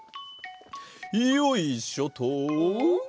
よいしょっと！